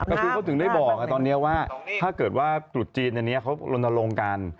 ก็คือเขาถึงได้บอกตอนนี้ว่าถ้าเกิดว่าตรุษจีนอันนี้เขาลนลงกัน